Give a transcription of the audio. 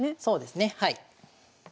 そうですねはい。